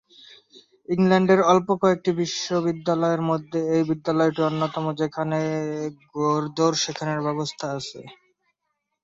ইংল্যান্ডের অল্প কয়েকটি বিদ্যালয়ের মধ্যে এই বিদ্যালয়টি অন্যতম যেখানে ঘোড়-দৌড় শেখানোর ব্যবস্থা আছে।